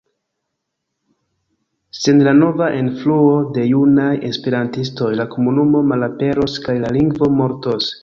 Sen la nova enfluo de junaj esperantistoj, la komunumo malaperos kaj la lingvo mortos.